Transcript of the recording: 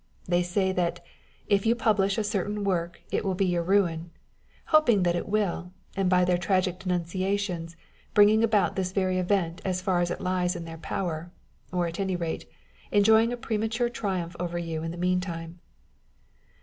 They say that " if you publish a certain work, it will be your ruin " â€" hoping that it will, and by their tragical denunciations, bringing about this very event as far as it lies in their power, or at any rate, enjoying a premature triumph over you in the meantime.